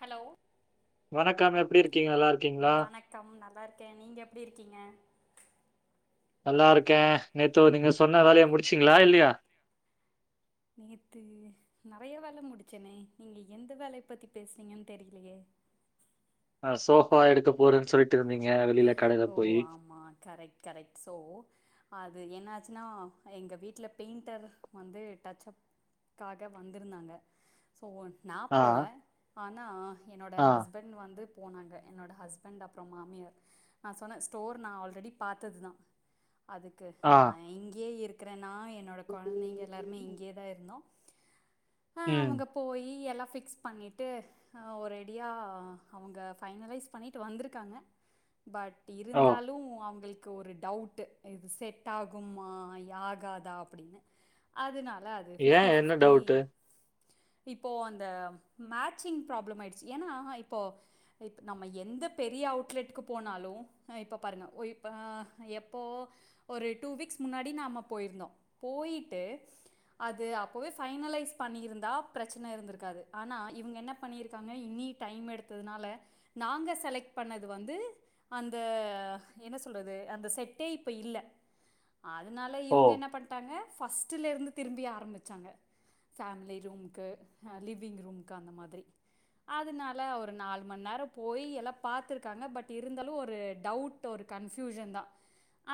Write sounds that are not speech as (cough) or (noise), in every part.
Hello வணக்கம் எப்டி இருக்கீங்க நல்லாருக் வணக்கம் நல்லாருக்கே நீங்க எப்டி இருக்கீங்க நல்லாருக்கே நேத்து நீங்க சொன்ன வேலய முடிச்சீங்ளா இல்லியா நேத்து நெறய வேல முடிச்சனே நீங்க எந்த வேலய பத்தி பேசுறீங்கன் தெரிலியே ஆ சோஃபா எடுக்க போறேன் சொல்ட்டு இருந்தீங்க வெளில கடைல ஓ போயி ஆமா கரெக்ட் கரெக்ட் சோ அ அது என்ன ஆச்சின்னா எங்க வீட்ல பெயிண்டர்ரு வந்து டச் அப் காக வந்திருந்தாங்க சோ நா ஆ, போல ஆனா என்னோட ஆ, ஹஸ்பண் ட் வந்து போனாங்க என்னோட ஹஸ்பண்ட் அப்றோ மாமியார் நா சொன்ன ஸ்டோர் நா ஆல்ரெடி பாத்தது தா அதுக்கு ஆ. நா இங்கே இருக் றனா என்னோட கொழந்தைங்க எல்லாருமே இங்கே தா இருந்தோ ம் க போயி எல்லா ஃபிக்ஸ் பண்ணிட்டு அ ஒரேடியா அவுங்க ஃபைனலைஸ் பண்ணிட்டு வந்த்ருக்காங்க பட் ஓ! இருந்தாலு அவுங்ளுக் கு ஒரு டவுட்டு இது செட் ஆகும்மா ஆகாதா அப்டின்னு அதுனால அத் ஏன் என்ன டவுட்டு இப்போ அந்த மேச்சிங் ப்ராப்ளம் ஆய்டிச்சு ஏன்னா இப்போ இப் நம்ம எந்த பெரிய அவுட்லெட்டுக்கு லனாலும் அ இப்போ பாருங்க இப்போ எப்போ ஒரு டூ வீக்ஸ் முன்னாடி நாம போயிருந்தோம் போயிட்டு அது அப்போவே ஃபைனலைஸ் பண்ணியிருந்தா பிரச்சன இருந்திருக்காது ஆனா இவுங்க என்ன பண்ணியிருக்காங்க இன்னி டைம் எடுத்ததுனால நாங்க செலக்ட் பண்ணது வந்து அந்த என்ன சொல்றது அந்த செட்டே இப்ப இல்ல அதுனால ஓ! இவுங்க என்ன பண்ட்டாங்க ஃபர்ஸ்ட்டுலருந்து திரும்பி ஆரம்பிச்சாங்க ஃபேமிலி ரூம்க்கு லிவிங் ரூம்க்கு அந்த மாதிரி அதுனால ஒரு நால் மண் நேரம் போய் எல்லா பாத்துருக்காங்க பட் இருந்தாலும் ஒரு டவுட்டு ஒரு கன்ஃபியூஷன் தா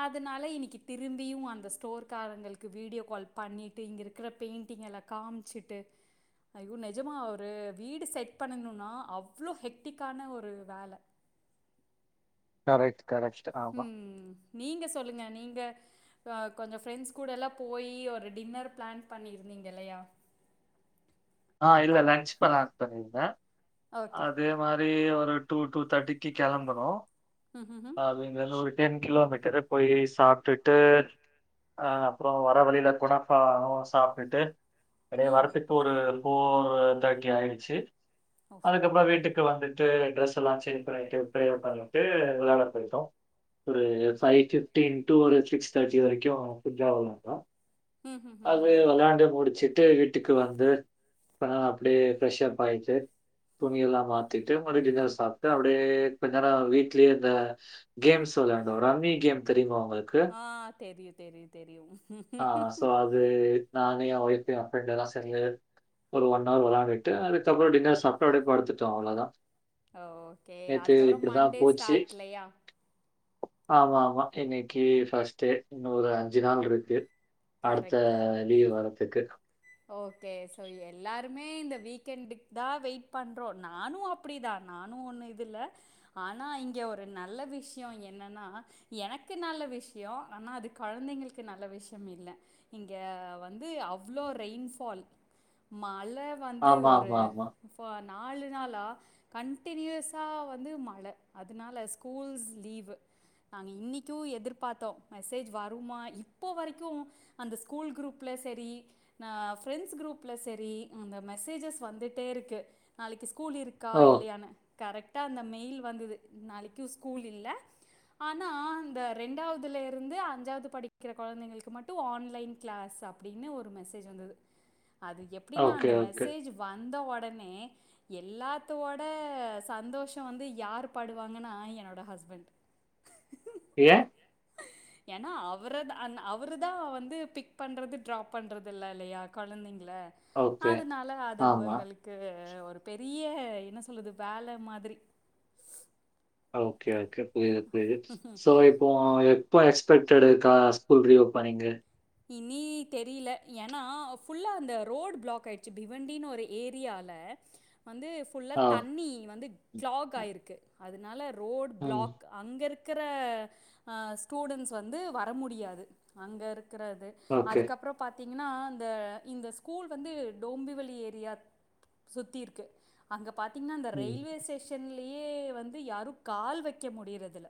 அதுனால இன்னிக்கி திரும்பியும் அந்த ஸ்டோர்க்காரங்களுக்கு வீடியோ கால் பண்ணிட்டு இங்க இருக்கிற பெயிண்டிங் எல்லாத் காம்ச்சிட்டு ஐயோ நெஜமா ஒரு வீடு செட் பண்ணணுனா அவ்ளோ ஹெக்டிக்கான ஒரு வேல கரெக்ட் கரெக்ட் ஆமா. ம் நீங்க சொல்லுங்க நீங்க கொஞ்ச ஃப்ரெண்ட்ஸ் கூடல்லா போய் ஒரு டின்னர் பிளான் பண்ணியிருந்தீங்க இல்லையா ஆ இல்ல லஞ்ச பல ஆத்தான இந்தங்க அ ஓகே. அதே மாரி ஒரு டூ டூ தேர்ட்டிக்கு கிளம்பறோ ம் ம்ம் அது இங்க இருந்து ஒரு டென் கிலோமீட்டர் போய் சாப்ட்டுட்டு அ அப்புற வர வழியில குணப்பா சாப்ட்டுட்டு ம் கிடையே ம் வரத்துக்கு ஒரு போர் தேர்ட்டி ஆயிடுச்சு ஓ! அதுக்கப்புற வீட்டுக் இங்க வந்துட்டு டிரஸ் எல்லா சேஞ் பண்ணிட்டு (unintelligible) விளட பத்து நிமிஷ ஒரு பைவ் ஃபிஃப்டின் டூ ஒரு சிக்ஸ் தேர்ட்டி வரைக்கு புசாலா ஆ அது ம்ஹ்ஹ்ஹ்ம். விளாண்டு முடிச்சுட்டு வீட்டுக்கு வந்து அப்படியே ஃப்ரெஷப் ஆயிட்டு துணிய எல்லாம் மாத்திட்டு முடிஞ்சதெல்லா சாப்ட்டு அப்படியே கொஞ்நேர வீட்ல அந்த கேம்ஸ் விளையாண்டோ ரம்மி கேம் தெரியுமா உங்களுக்கு ஆ தெரியு தெரியு தெரியு ஆ ஸோ அது நானு என் ஒய்ஃப் பிரண்டெல்லாம் சேந்து ஒரு ஒன் ஆர் விளாண்டுட்டு அதுக்கப்புற டின்னர் சாப்ட்டு அப்டியே படுத்துட்டோ அவ்ளோதா ஓகே அதுக்கப்புற மண்டே போச்சு. ஸ்டார்ட் இல்லையா ஆமா ஆமா இன்னைக்கு ஃபர்ஸ்டு இன்னு ஒரு அஞ்சு நாள் இருக்கு அடுத்த கரெக்ட். லீவு வரத்துக்கு ஓகே சோ எல்லாருமே இந்த வீக்கெண்டுக்கு தா வெயிட் பண்றோ நானு அப் அப்டிதா நானு ஒண்ணு இல்ல ஆனா இங்க ஒரு நல்ல விஷயம் என்னன்னா எனக்கு நல்ல விஷய ஆனா அது கொழந்தைங்களுக்கு நல்ல விஷய இல்ல இங்க வந்து அவ்வளோ ரெயின்ஃபால் மழை வந்து ஆமா ஒரு ஆமா ஆமா இப்போ நாலு நாளா கன்டினியூஸா வந்து மழை அதனால ஸ்கூல்ஸ் லீவு நாங்கள் இன்னைக்கு எதிர்பாத்தோ மெசேஜ் வருமா இப்போ வரைக்கு அந்த ஸ்கூல் குரூப்ல சேரி நான் பிரண்ட்ஸ் குரூப்பில சரி அந்த மெசேஜஸ் வந்துட்டே இருக்கு நாளைக்கு ஸ்கூல் இருக்கு கா ஓ இல்லையான கரெக்டா அந்த மெயில் வந்தது நாளைக்கு ஸ்கூல் இல்ல ஆனா இந்த ரெண்டாவதுல இருந்து அஞ்ஜாவது படிக்கிற கொழந்தைங்களுக்கு மட்டு ஆன்லைன் கிளாஸ் அப் அப்டின்னு ஒரு மெசேஜ் வந்தது அது எப்டின்னா ஓகே அந்த ஓகே மெசேஜ் வந்த உடனே எல்லாத்தோட சந்தோஷம் வந்து யார் படுவாங்கன்னா என்னோட ஹஸ்பண்ட் ஏன் ஏன்னா அவர அவரு தா வந்து பிக் பண்றது டிராப் பண்றது இல்ல இல்லையா கொழந்தைங்கள ஓகே அதனால அது ஆமா அவங்களுக் ஒரு பெரிய என்ன சொல்லுது வேலை மாதிரி ஓகே ஓகே புரியுது புரியுது சோ இப்போ எப்போ எக்ஸ்பெக்டடுக்க ஸ்கூல் ரீஓபனிங்கு இனி தெரியல ஏன்னா ஃபுல்லா அந்த ரோடு பிளாக் ஆயிடுச்சு பிவண்டினு ஒரு ஏரியால வந்து புல்லா ஆ தண்ணி வந்து கிளாக் ஆயிருக்கு அதனால ரோடு ம் பிளாக் அங்கே இருக்கிற ஸ்டூடெண்ட்ஸ் வந்து வர முடியாது அங்கே இருக்கிறது ஓகே அதுக்கப்புற பாத்தீங்கன்னா இந்த இந்த ஸ்கூல் வந்து டோம்பிவலி ஏரியா சுத்தி இருக்கு அங்க பாத்தீங்கன்னா அந்த ம் ரயில்வே ஸ்டேஷன் செல்லியே வந்து யாரு கால் வைக்க முடியிறதுல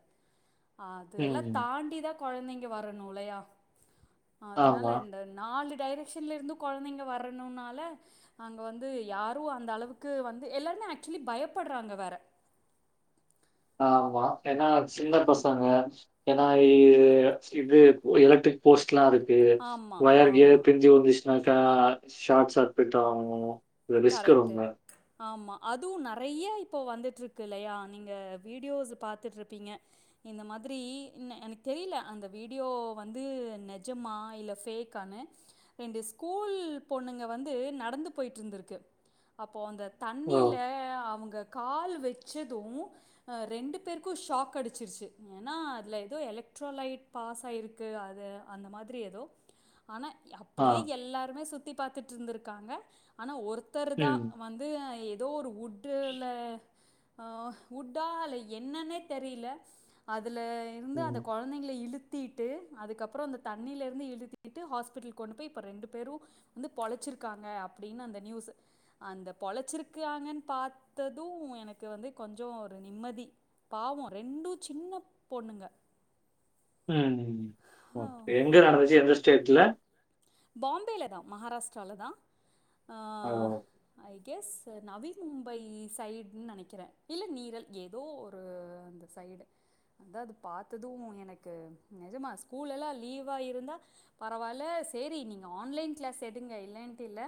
அதெல்லா ம் தாண்டிதா குழந்தைங்க வரணு லையா ஆதுனால ஆமா இந்த நாலு டைரெக்ஷன்ல இருந்து கொழந்தைங்க வரணுனால அங்க வந்து யாரு அந்த அளவுக்கு வந்து எல்லாருமே ஆக்சுவலி பயப்பட்றாங்க வேற ஆ மா ஏன்னா சின்ன பசங்க ஏன்னா இ இது எலக்ட்ரி போஸ்ட்லா ருக்கு ஆமா வயார் கேர் ஆமா பிரிஞ்சி வந்திச் நாக்கா ஷாட் சர்ப்பிட்தா வாங்குவோ கரெக்ட்டு ஆமா அதுவு நறைய்யா இப்போ வந்துட்டருக்கு இல்லையா நீங்க வீடியோஜ் பாத்துட்டுருப்பீங்க இந்த மாதிரி இன்னே எனக் தெரியல அந்த வீடியோ வந்து நெஜமா இல்ல ஃபேக் கான ரெண்டு ஸ்கூல் பொண்ணுங்க வந்து நடந்து போய்ட்ருந்துரு க்கு அப்போ அந்த ஓ! தண்ணிலே அவங்க கால் வச்சதூ அ ரெண்டு பேர்க்கு ஷாக் அடிச்சிர்ச்சு ஏன்னா அதுல எதோ எலக்ட்ரோலைட் பாஸ் ஆய்ருக்கு அது அந்த மாதிரி எதோ ஆனா இ அப் ஆ. ப்படியே எல்லாருமே சுத்தி பார்த்துட்டு இருந்திருக்காங்க ஆனா ஒருத்தர் ம். தான் வந்து து அ எதோ ஒரு உட்டுல அ உஹ் உட்டா அல என்னன்னே தெரில அதுல இருந்து அந்த ம். கொழ ந்தைங்கள இழுத்தீட்டு அதுக்கப்றோ அந்த தண்ணில இருந்து இழுத்திட்டு ஹாஸ்பிட்டல் கொண்டு போய் இப்ப ரெண்டு பேரு வந்து பொழச்சிருக்காங்க அப்டின்னு அந்த ந்யூஸு அந்த பொழச்சிருக்காங்கன் பாத்தது எனக்கு வந்து கொஞ்சோ ஒரு நிம்மதி பாவோ ரெண்டு சின்ன பொண்ணுங்க ம்ம்ம் ஆ, ஓகே எங்க நடந்துச்சி எந்த ஸ்டேட்ல பாம்பேல தா மஹாராஸ்ட்ரால தா ஆ ஓ! I guess Navi Mumbai side நெனைக்கிறே இல்ல நீரல் எதோ ஒரு அந்த சைடு அத்தா அது பாத்தது எனக்கு நெஜமா ஸ்கூலெல்லா லீவா இருந்தா பரவால்ல சேரி னர் ரன்னர் ஆன்லைன் க்ளாஸ் எடுங்க இல்லன்ட்டு இல்ல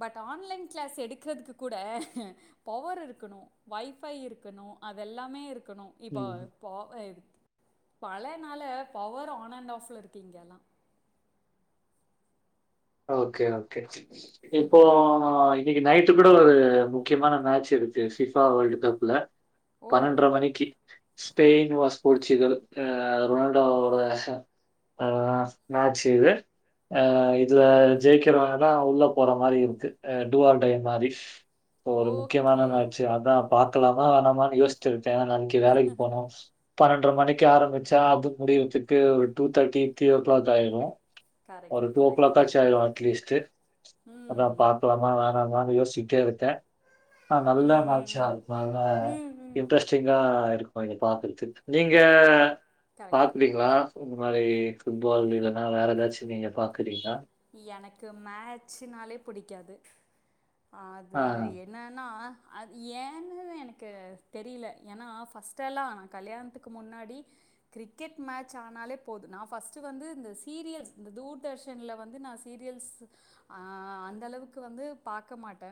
பட் ஆன்லைன் க்ளாஸ் எடுக்றதுக்கு கூட பவர் இருக்கதணு வைஃபை இருக்கணு அதெல்லாமே இருக்கணு இப்பா ம். பா எடுத் பழேனால பவர் ஆன் அண்ட் ஆஃப்ல இர்க்கு இங்கெல்லா ஓகே ஓகே கெட்ச்சிர்ச்சு இப்போ ஆய் இ நைட்டு கூட ஒரு முக்கியமான மேச் இருக்கு சிஃபா வேல்டு் கப்புல ஓ பன்னெண்ட்ர மணிக்கி ஸ்பெய்ன் வாஸ் போர்ச்சுகல் அ ரொனால்டோ அவரோட ஆ நாச் செய்து ஆ எத் இதுல ஜெயிக்கிறோன்னா உள்ள போற மாரி இருக்கு அ டூவா டையம் மாரி போ ஒரு முக்யமான ஓகே மேச்சு அதா பா்கக்கலாமா வேனாமான் யோஸ்ச்சிருக்கே ஏனன் இ வேலைக்கு போனு பன்னெண்ட்ர மணிக்கி ஆரம்பிச்சா அதுக் முடியறத்துக்கு ஒரு டூ தட்டி த்ரீ ஓ க்ளாக் ஆய்ரு கரெக்ட் கரக்ட் கச்சாய்ரோ அட்லீஸ்ட்டு அதா ம் பாக்கலாமா வேணாமான் யோஸ்ச்சிட்டே இருக்கே ஆ நல்ல ம் ம் ம் நாச்சியாள் நால ம் ம் இன்ட்ரஸ் ச்சிங்கா இருக்மா நீங்க பாத்துற்த்துக் நீங்க கரெக்ட் பாக்குறீங்ளா இந்த மாரி ஃபுட்பால் இல்லன்னா வேற் ஏதாச்சி நீங்க பாக்குறீன்னா எனக்கு மேச்சுனாலே புடிக்காது ஆது ஆ, என் என்னன்னா அ அத் ஏன்னு எனக்கு தெரில ஏன்னா ஃபஸ்ட்டல்லா நா கல்யாண்த்துக் க்கு முன்னாடி கிரிக்கெட் மேட்ச் ஆனாலே போது நா ஃபர்ஸ்ட் வந்து இந்த சீரியல்ஸ் இந்த தூர்தர்ஷன்ல வந்து நா வந்து சீரியல்ஸ் அந்த அளவுக்கு வந்து பாக்க மாட்டே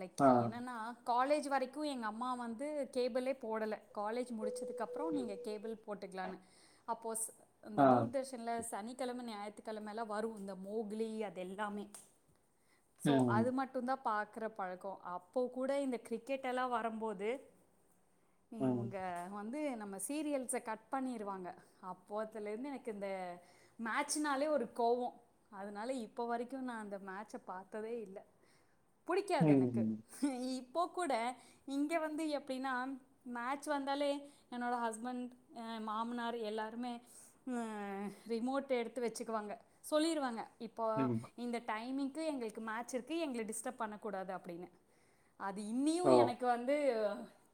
லைக் ஆ, என்னன்னா காலேஜ் வரைக்கு எங்க அம்மா வந்து கேபிளே போடல காலேஜ் முடிச்சதுக்கு அப்றோ ம். நீங்கே கேபிள் போட்டுக்கலனு அப்போ இந்த ஆ, தூர்தர்ஷ் சனிக்கெழம ஞாயித்துக்கெழம லா வரு இந்த முகிலி அது எல்லாமே ஸோ அது ம், மட்டு தா பாக்கிற பழக்கோ அப்போ கூட இந்த கிரிக்கெட் எல்லா வரும்போது நீ ம், உங்க வந்து நம்ம சீரியல் கட் பண்ணிடுவாங்க அப்போதுல இருந்து எனக்கு இந்த மேட்சனாலே ஒரு கோவோ அதனாலே இப்போ வரைக்கு நா அந்த மேட்சே பாக்கவே இல்ல பிடிக்காது எனக்கு ம், இப்போ கூட இங்கே வந்து எப்டினா மேட்ச் வந்தாலே என்னோட ஹஸ்பண்ட் எ மாமனார் எல்லாருமே ரிமோட் எடுத்து வச்சுக்குவாங்க சொல்லிருவாங்க இப்போ ம். இந்த டைமிங் எங்களுக்கு மேட்ச் இருக்கு எங்கள டிஸ்டரப் பண்ணக்கூடாது அப்டின்னு அது இன்னியு ஓ! எனக்கு வந்து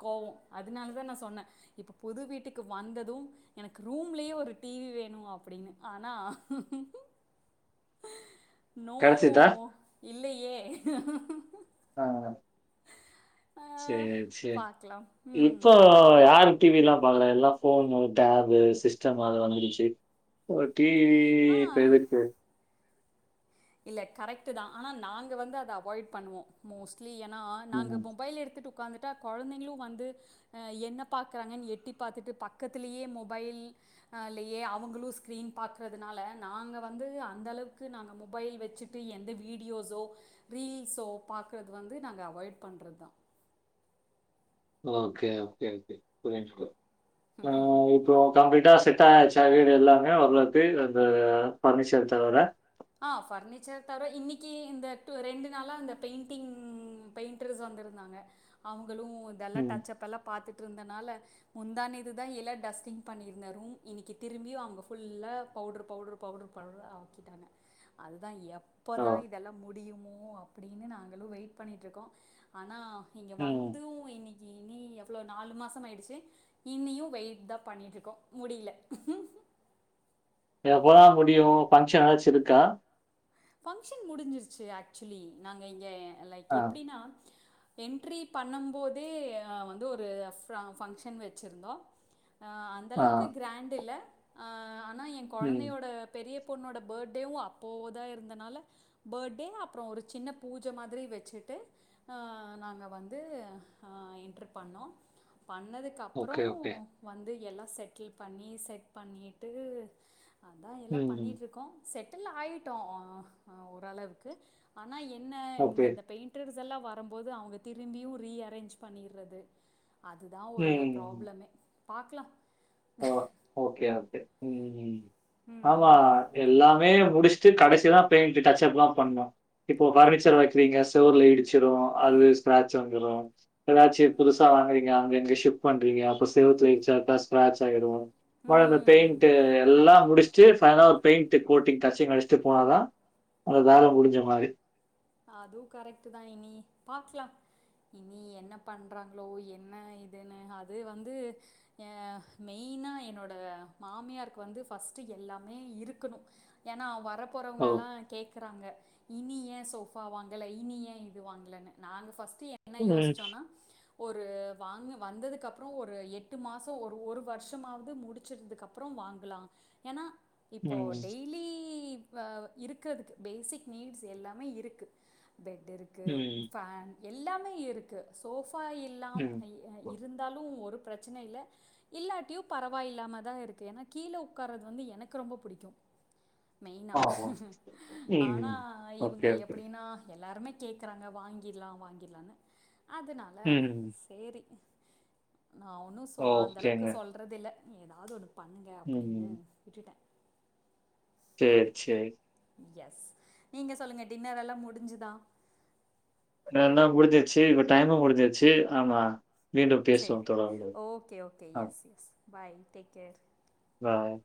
கோவோ அதனால தா நா சொன்னே இப்ப புது வீட்டுக்கு வந்தது எனக்கு ரூம்லயே ஒரு டிவி வேணு அப்டின்னு ஆனா நோ கெடைச்சுதா? இல்லையே ஆ ஆ, செரி செரி பார்க்கலாம் இப்போ இப்போ ம் யாரு டிவிலா பாக்குறா எல்லா ஃபோனு டேப்பு சிஸ்டம் அது வந்துடுச்சு ஓ டிவி இப்ப ஆ எதுக்கு இல்ல கரெக்ட் தா ஆனா நாங்க வந்து அத அவாய்ட் பண்ணுவோ மோஸ்ட்லி ஏன்னா நாங்க ம். மொபைல் எடுத்துட்டு உட்காந்துட்டா கொழந்தைங்களு வந்து என்னே பாக்குறாங்கன்னு எட்டி பாத்துட்டு பக்கத்திலேயே மொபைல் ஆலையே அவங்களு ஸ்கிரீன் பாக்கறதுனால நாங்க வந்து அந்த அளவுக்கு நாங்க மொபைல் வச்சுட்டு எந்த வீடியோஸ்ஸோ ரீல்ஸோ பாக்குறது வந்து நாங்க அவாய்ட் பண்ணுறது தா ஓகே ஓகே ஓகே புரியுது ப்ரோ ஆ கம்ப்ளீட்டா செட் ஆயாச்சா வீடு எல்லாமே ஓரளவுக்கு அந்த ஃபர்னிச்சர் தவிர ஆ ஃபர்னிச்சர் தவிர இன்னைக்கு இந்த எடத்தல ரெண்டு நாளா இந்த பெயிண்டிங் ம் பெயிண்டர்ஸ் வந்திருந்தாங்க அவங்களு இதெல்லா ம். டச் அப் எல்லா பாத்துட்டு இருந்தனால முந்தா நேத்துதா எல்லா டஸ்டிங் பண்ணிருந்தே ரூம் இன்னைக்கி திரும்பி அவங்க ஃபுல்லா பவுடர் பவுடர் பவுட்ரு பவு ஆக்கிட்டாங்க அதுதா ஓ! எப்பதா இதெல்லா முடியுமோ அப்டினு நாங்களு வெயிட் பண்ணிட்டு இருக்கோ ஆனா நீங்க ம். வந்து இன்னைக் இனி எவ்ளோ நாலு மாசம் ஆயிடுச்சு இனியு வெயிட் தா பண்ணிட்டு இருக்கோ முடியல எப்போதா முடியு பங்க்ஷன்னாச்சு இருக்கா ஃபங்க்ஷன் முடிஞ்சிருச்சு ஆக்சுவலி நாங்க இங்க லைக் ஆ. எப்டின்னா என்ட்ரி பண்ணும் போதே வந்து ஒரு ஃபங்க்ஷன் வச்சிருந்தோ அ அந்த ஆ. அளவுக்கு கிராண்ட் இல்ல ஆனா ஏ ம். கொழந்தையோட பெரிய பொண்ணோட பர்த்டேவு அப்போ தா இருந் னால பர்த்டே அப்றோ ஒரு சின்ன பூஜ மாதிரி வச்சுட்டு அ நாங்க வந்து அ என்டர் பண்ணோ பண்ணதுக் கப்றோ ஓகே, ஓகே. வந்து எல்லா செட்டில் பண்ணி செட் பண்ணிட்டு அதா எல்லா ம். பண்ணிட்டுருக்கோ செட்டில் ஆயிட்டோ அ ஓரளவுக்கு ஆனா என்ன இங்க ஓகே. இந்த பெயிண்டர்ஸ் எல்லா வரம்போது அவுங்க திரும்பியு ரீ அரேஞ்ச் பண்ணிற்றது அதுதா ஒரு ம். ப்ராப்ளமே பாக்லா ஓகே ஓகே ம் ஆமா ம் எல்லாமே முடிச்சுட்டு கடைசிதா பெயிண்டு டச்ச அப் லா பண்ணோ இப்போ பர்னிச்சர் வைக்கிறீங்க செவுர்ல இடிச்சிரு அது ஸ்க்ராச் வந்துரு ஏதாச்சு புதுசா வாங்குறீங்க அங்க இங்க சிப்ட் பண்றீங்க அப்போ செவுத்துல இடிச்சா ஸ்க்ராட்ச் ஆய்ரு அவளதா ம் பெயிண்டு எல்லா முடிச்சிட்டு பைனலா பெயிண்டு கோட்டிங் டச்சிங் அடிச் ச்சு போனாதா அந்த வேல முடிஞ்ச மாரி அதுவு கரெக்டுதா இனி பாக்லா இனி என்ன பண்ணுறாங்ளோ என்ன இதுனு அது வந்து எ மெயினா என்னோட மாமியாருக்கு வந்து பஃர்ஸ்டு எல்லாமே இருக்குணு ஏனா அவு வரப்போறவங்க ஓ. எல்லா கேக்குறாங்க இனி ஏ சோ பா வாங்கல இனி ஏ இது வாங்லனு நாங்க பஸ்ட்டு என்ன ம். யோசிச்சோனா ஒரு வாங்க வந்ததுக்கப்புற ஒரு எட்டு மாச ஒரு ஒரு வர்ஷமாவ்து முடிச்சதுக்கப் அப்புற வாங்கலா ஏனா இப்போ ம். டெய்லி இப்ப இருக்கிறதுக்கு பேசிக் நீட்ஸ் எல்லாமே இருக்கு பெட் இருக்கு ம். ஃபேன் எல்லாமே இருக்கு சோஃபா ம். இல்லாமயா இருந்தாலு ஒரு பிரச்சன இல்ல இல்லாட்டியு பரவாயில்லாம தா இருக்கு ஏனா கீழ உக்காரது வந்து எனக்கு ரொம்ப புடிக்கு மெயினா ஆ. ஆனா ம். இவுங்க ஓகே, எப் ஓகே. நா எல்லாருமே கேக்குறாங்க வாங்கிர்லா வாங்கிர்லானு அதனால ம். சேரி நா ஒன்னு சொ அந்த அளவுக்கு ஓகேங்க. சொல்றதில்ல ஏதாவது ஒன்னு பண்ணுங்க அப்படினு ம். விட்டுட்ட சேர் செரிங் எஸ் நீங்க சொல்லுங்க டின்னரெல்லா முடிஞ்சுதா இன்னனா முடிஞ்சிருச்சு இப்ப டைமு முடிஞ்சிருச்சு ஆமா மீண்டும் பேசுவோம் சரி தொடர்ந்து. ஓகே ஓகே அ. Yes yes bye take care பாய்